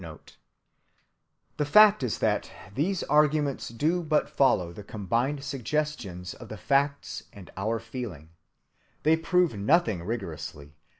(292) The fact is that these arguments do but follow the combined suggestions of the facts and of our feeling. They prove nothing rigorously.